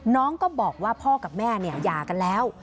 น้องก็บอกว่าพ่อกับแม่หย่ากันแล้ว